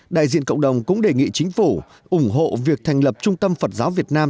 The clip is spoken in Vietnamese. đại diện cộng đồng cũng đề nghị chính phủ ủng hộ việc thành lập trung tâm phật giáo việt nam